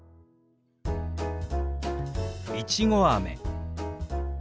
「いちごあめ」。